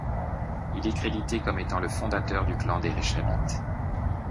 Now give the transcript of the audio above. Il est crédité comme étant le fondateur du clan des Réchabites.